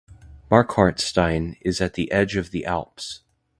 Marquartstein is at the edge of the Alps.